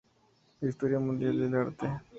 Historia Mundial del Arte.